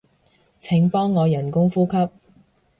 請幫我人工呼吸